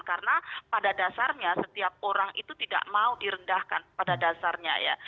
karena pada dasarnya setiap orang itu tidak mau direndahkan pada dasarnya ya